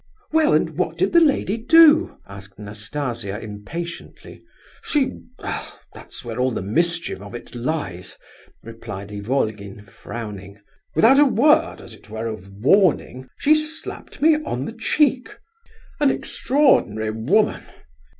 "Well, and what did the lady do?" asked Nastasia, impatiently. "She—ah, that's where all the mischief of it lies!" replied Ivolgin, frowning. "Without a word, as it were, of warning, she slapped me on the cheek! An extraordinary woman!"